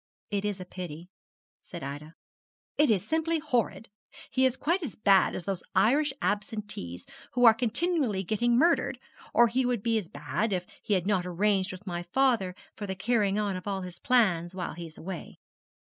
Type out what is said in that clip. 'It is a pity,' said Ida. 'It is simply horrid. He is quite as bad as those Irish Absentees who are continually getting murdered; or he would be as bad, if he had not arranged with my father for the carrying on of all his plans while he is away.'